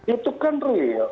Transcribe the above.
itu kan real